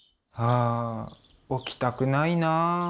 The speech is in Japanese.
あ起きたくないなあ。